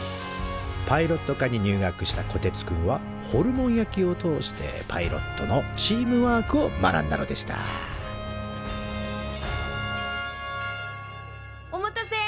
パイロット科に入学したこてつくんはホルモン焼きを通してパイロットのチームワークを学んだのでしたお待たせ！